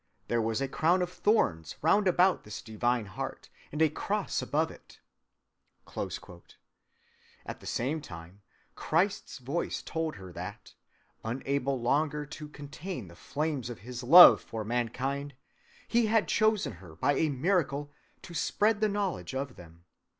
There was a crown of thorns round about this divine Heart, and a cross above it." At the same time Christ's voice told her that, unable longer to contain the flames of his love for mankind, he had chosen her by a miracle to spread the knowledge of them.